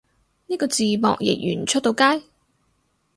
呢個字幕譯完出到街？